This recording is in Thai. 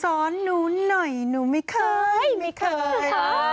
สอนหนูหน่อยหนูไม่เคยไม่เคย